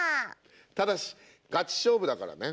ただしガチ勝負だからね。